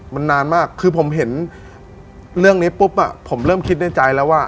มันนานมากคือผมเห็นเรื่องนี้ปุ๊บผมเริ่มคิดในใจแล้วว่า